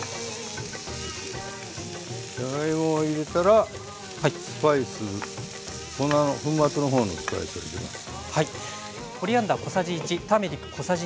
じゃがいもを入れたらスパイス粉末の方のスパイスを入れます。